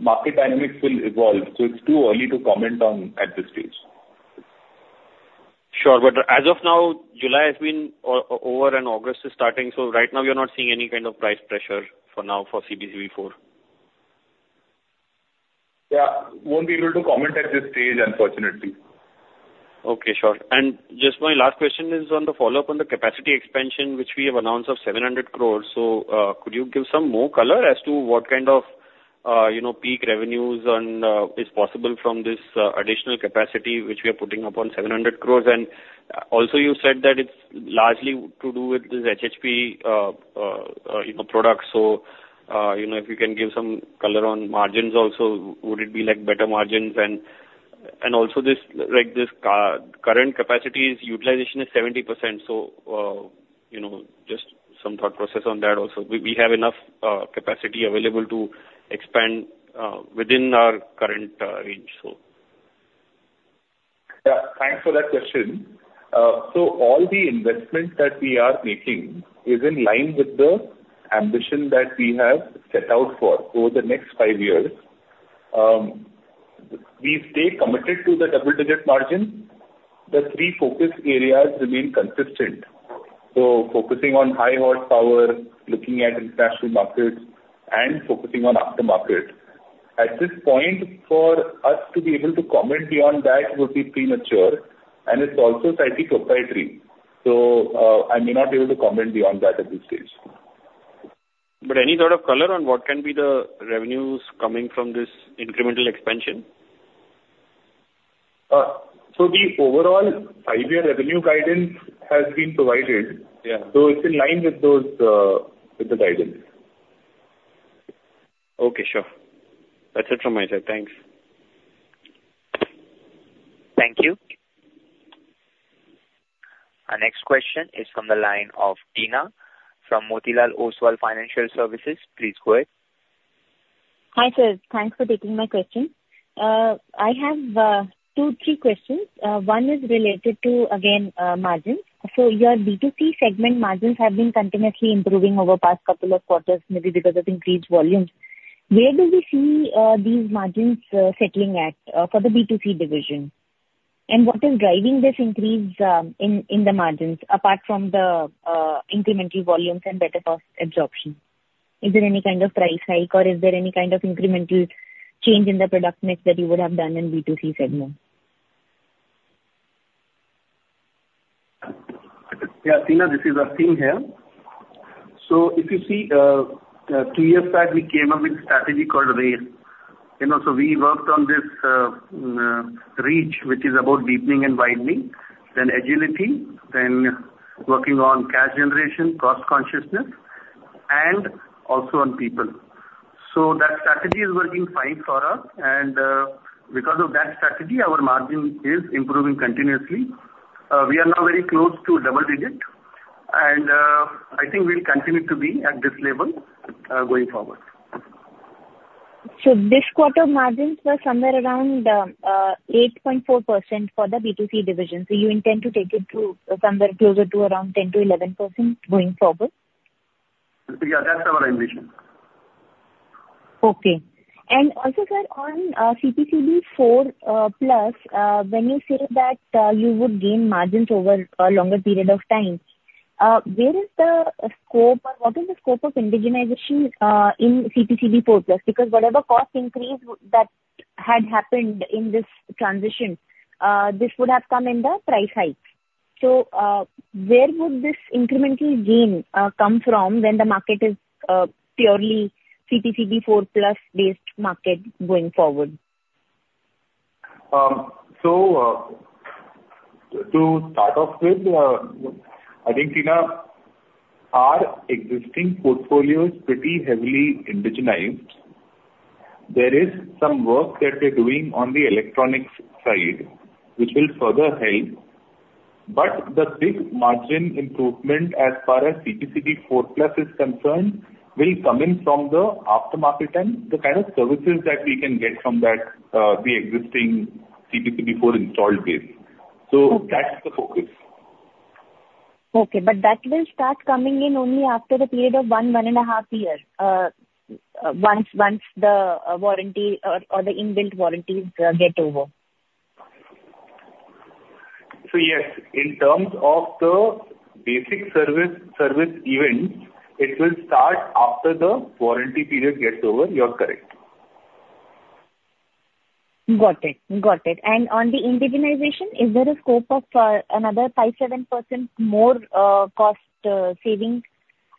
Market dynamics will evolve, so it's too early to comment on at this stage. Sure, but as of now, July has been over and August is starting, so right now you're not seeing any kind of price pressure for now for CPCB four? Yeah, won't be able to comment at this stage, unfortunately. Okay, sure. And just my last question is on the follow-up on the capacity expansion, which we have announced of 700 crore. So, could you give some more color as to what kind of, you know, peak revenues and is possible from this additional capacity, which we are putting up on 700 crore? And also you said that it's largely to do with this HHP, you know, product. So, you know, if you can give some color on margins also, would it be like better margins? And also this, like, this current capacity's utilization is 70%, so, you know, just some thought process on that also. We have enough capacity available to expand within our current range, so. Yeah, thanks for that question. So all the investments that we are making is in line with the ambition that we have set out for over the next five years. We stay committed to the double-digit margin. The three focus areas remain consistent, so focusing on high horsepower, looking at international markets, and focusing on aftermarket. At this point, for us to be able to comment beyond that would be premature, and it's also slightly proprietary, so, I may not be able to comment beyond that at this stage. Any sort of color on what can be the revenues coming from this incremental expansion? The overall five-year revenue guidance has been provided. Yeah. So it's in line with those, with the guidance. Okay, sure. That's it from my side. Thanks. Thank you. Our next question is from the line of Sheena from Motilal Oswal Financial Services. Please go ahead. Hi, sir. Thanks for taking my question. I have two, three questions. One is related to, again, margin. So your B2C segment margins have been continuously improving over the past couple of quarters, maybe because of increased volumes. Where do we see these margins settling at for the B2C division? And what is driving this increase in the margins, apart from the incremental volumes and better cost absorption? Is there any kind of price hike, or is there any kind of incremental change in the product mix that you would have done in B2C segment? Yeah, Sheena, this is Sachin here. So if you see, two years back, we came up with a strategy called RAIL. You know, so we worked on this reach, which is about deepening and widening, then agility, then working on cash generation, cost consciousness, and also on people. So that strategy is working fine for us, and because of that strategy, our margin is improving continuously. We are now very close to double digit, and I think we'll continue to be at this level going forward. So this quarter margins were somewhere around 8.4% for the B2C division. So you intend to take it to somewhere closer to around 10%-11% going forward? Yeah, that's our ambition. Okay. And also, sir, on CPCB IV+, when you say that you would gain margins over a longer period of time, where is the scope, or what is the scope of indigenization in CPCB IV+? Because whatever cost increase that had happened in this transition, this would have come in the price hike. So, where would this incremental gain come from when the market is purely CPCB IV+-based market going forward? So, to start off with, I think, Sheena, our existing portfolio is pretty heavily indigenized. There is some work that we're doing on the electronics side, which will further help, but the big margin improvement, as far as CPCB IV+ is concerned, will come in from the aftermarket and the kind of services that we can get from that, the existing CPCB IV installed base. Okay. That's the focus. Okay, but that will start coming in only after a period of 1-1.5 year, once the warranty or the in-built warranties get over. So, yes, in terms of the basic service, service events, it will start after the warranty period gets over. You are correct. Got it. Got it. On the indigenization, is there a scope of another 5-7% more cost savings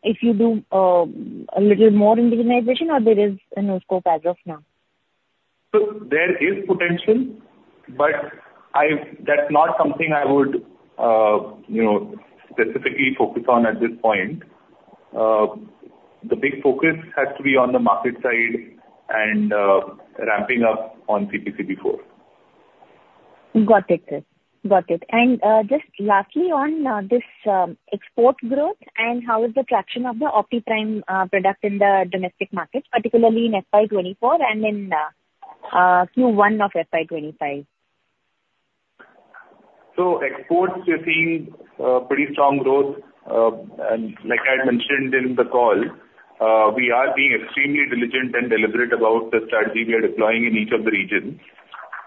if you do a little more indigenization, or there is no scope as of now? So there is potential, but I... That's not something I would, you know, specifically focus on at this point. The big focus has to be on the market side and, ramping up on CPCB IV+. Got it, sir. Got it. And, just lastly on this export growth, and how is the traction of the OptiPrime product in the domestic market, particularly in FY 2024 and in Q1 of FY 2025? So exports, we're seeing pretty strong growth. And like I had mentioned in the call, we are being extremely diligent and deliberate about the strategy we are deploying in each of the regions.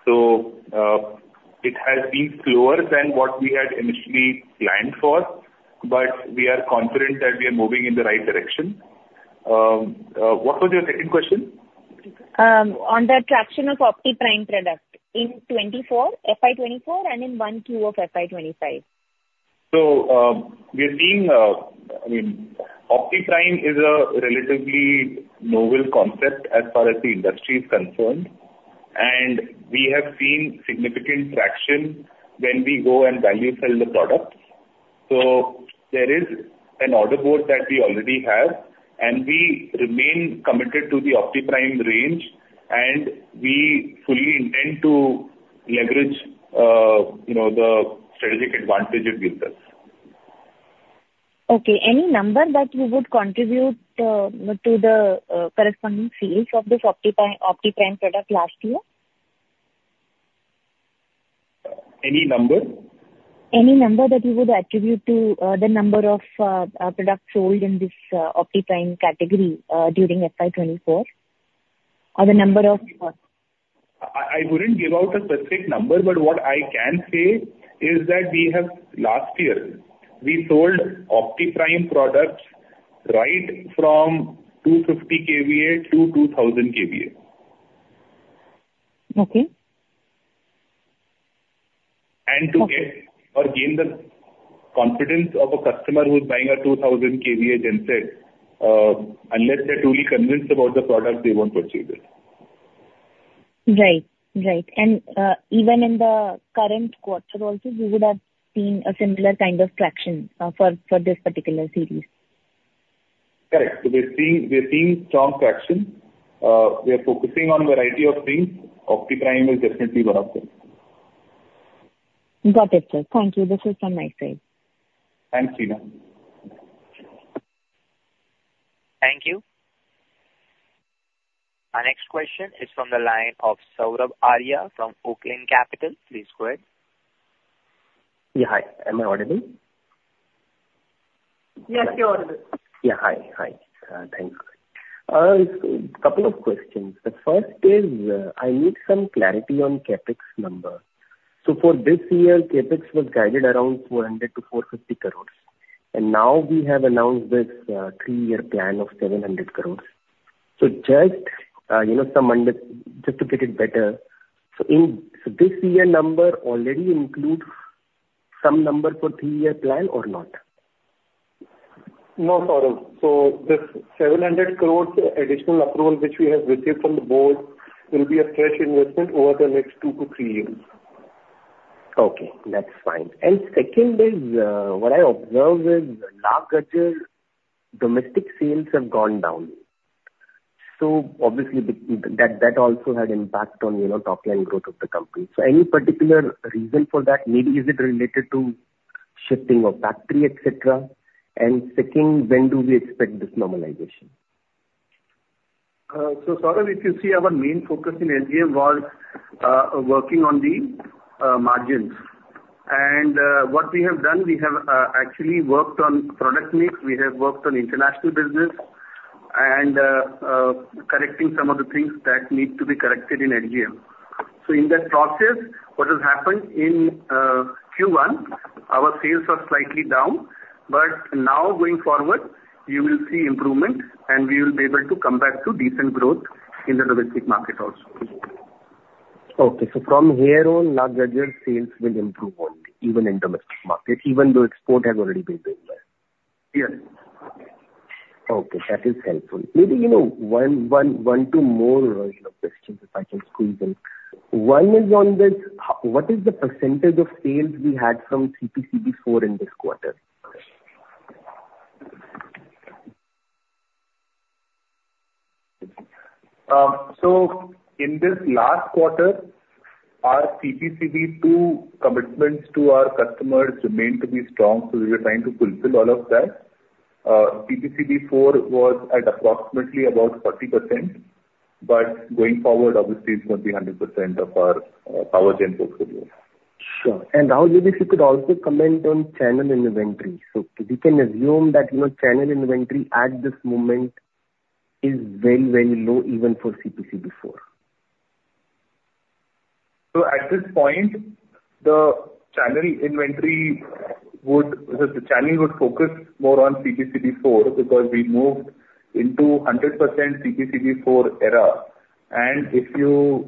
So, it has been slower than what we had initially planned for, but we are confident that we are moving in the right direction. What was your second question? On the traction of OptiPrime product in 2024, FY 2024, and in 1Q of FY 2025. We are seeing, I mean, OptiPrime is a relatively novel concept as far as the industry is concerned. We have seen significant traction when we go and value sell the product. So there is an order board that we already have, and we remain committed to the OptiPrime range, and we fully intend to leverage, you know, the strategic advantage it gives us. Okay. Any number that you would contribute to the corresponding sales of this OptiPrime, OptiPrime product last year? Any number? Any number that you would attribute to the number of products sold in this OptiPrime category during FY 2024, or the number of- I wouldn't give out a specific number, but what I can say is that we have—last year, we sold OptiPrime products right from 250 kVA to 2,000 kVA. Okay. And to get- Okay -or gain the confidence of a customer who's buying a 2000 kVA genset, unless they're truly convinced about the product, they won't purchase it. Right. Right. And, even in the current quarter also, you would have seen a similar kind of traction, for this particular series? Correct. So we're seeing strong traction. We are focusing on a variety of things. OptiPrime is definitely one of them. Got it, sir. Thank you. This is from my side. Thanks, Sheena. Thank you. Our next question is from the line of Saurabh Arya from Oaklane Capital. Please go ahead. Yeah, hi. Am I audible? Yes, you're audible. Yeah. Hi. Hi, thank you. So couple of questions. The first is, I need some clarity on CapEx number. So for this year, CapEx was guided around 400 crores-450 crores, and now we have announced this, three-year plan of 700 crores. So just, you know, some under... Just to get it better, so in, so this year number already includes some number for three-year plan or not? No, Saurabh. This 700 crore additional approval, which we have received from the board, will be a fresh investment over the next two to three years. Okay, that's fine. And second is, what I observed is, last quarter, domestic sales have gone down. So obviously, that, that also had impact on, you know, top line growth of the company. So any particular reason for that? Maybe is it related to shifting of factory, et cetera? And second, when do we expect this normalization? So, Saurabh, if you see our main focus in LGM was working on the margins. And what we have done, we have actually worked on product mix, we have worked on international business, and correcting some of the things that need to be corrected in LGM. So in that process, what has happened in Q1, our sales are slightly down, but now going forward, you will see improvement, and we will be able to come back to decent growth in the domestic market also. Okay. So from here on, last quarter, sales will improve only, even in domestic market, even though export has already been doing well? Yes. Okay, that is helpful. Maybe you know, one or more, you know, questions, if I can squeeze in. One is on this—what is the percentage of sales we had from CPCB IV in this quarter? In this last quarter, our CPCB ll commitments to our customers remained to be strong, so we were trying to fulfill all of that. CPCB four was at approximately about 40%, but going forward, obviously, it's going to be 100% of our power gen portfolio. Sure. Rahul, if you could also comment on channel inventory. We can assume that, you know, channel inventory at this moment is very, very low, even for CPCB four. So at this point, the channel inventory would... The channel would focus more on CPCB IV, because we moved into 100% CPCB IV era. And if you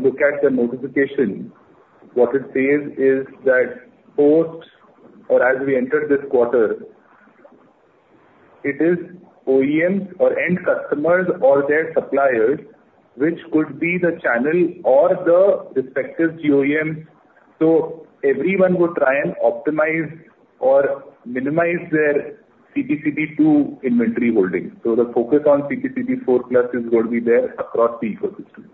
look at the notification, what it says is that post, or as we entered this quarter, it is OEMs or end customers or their suppliers, which could be the channel or the respective OEMs. So everyone would try and optimize or minimize their CPCB II inventory holdings. So the focus on CPCB IV+ is going to be there across the ecosystem.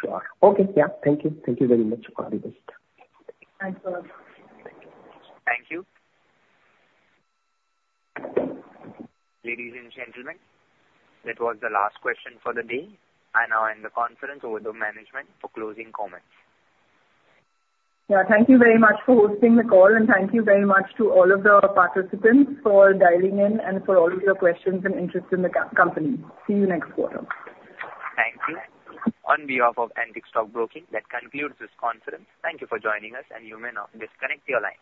Sure. Okay, yeah. Thank you. Thank you very much. Appreciate it. Thanks, Saurabh. Thank you. Ladies and gentlemen, that was the last question for the day. I now hand the conference over to management for closing comments. Yeah, thank you very much for hosting the call, and thank you very much to all of the participants for dialing in and for all of your questions and interest in the company. See you next quarter. Thank you. On behalf of Antique Stock Broking, that concludes this conference. Thank you for joining us, and you may now disconnect your line.